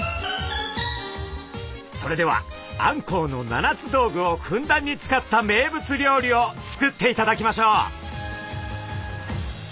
それではあんこうの七つ道具をふんだんに使った名物料理を作っていただきましょう。